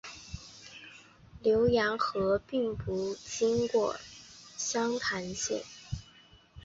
浏阳河并不经过湘潭县。